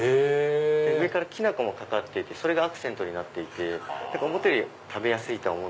上からきな粉もかかっていてそれがアクセントになっていて思ったより食べやすいと思う。